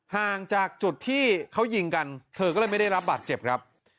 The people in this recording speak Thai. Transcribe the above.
ห่างจากจุดที่เขายิงกันเธอก็เลยไม่ได้รับบาดเจ็บครับ